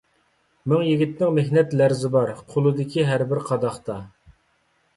مىڭ يىگىتنىڭ مېھنەت لەرزى بار، قولىدىكى ھەربىر قاداقتا.